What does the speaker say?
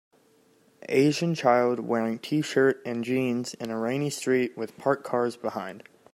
Asian child wearing tshirt and jeans in a rainy street with parked cars behind.